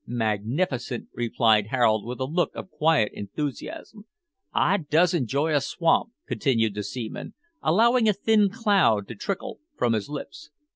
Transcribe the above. "Magnificent!" replied Harold with a look of quiet enthusiasm. "I does enjoy a swamp," continued the seaman, allowing a thin cloud to trickle from his lips.